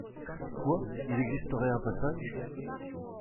Quoi ! il existerait un passage !